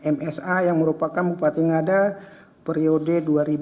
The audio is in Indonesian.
msr yang merupakan bupati ngada periode dua ribu lima belas dua ribu dua puluh dua